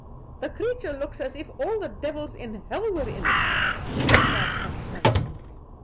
"The creature looks as if all the devils in hell were in it," cried Tant Sannie.